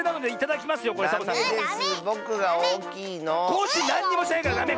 コッシーなんにもしてないからダメ！